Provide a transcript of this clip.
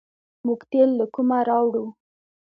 موږ تیل له کومه راوړو؟